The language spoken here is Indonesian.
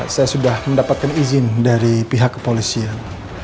saya sudah mendapatkan izin dari pihak kepolisian